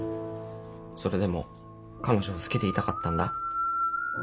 それでも彼女を好きでいたかったんだ。